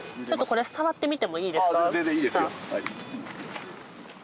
ちょっとこれ触ってみてもいいですか？